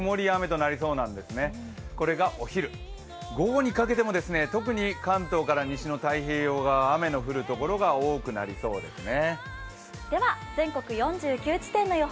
これがお昼、午後にかけても特に関東から西の太平洋側は雨の降る所が多くなりそうですね。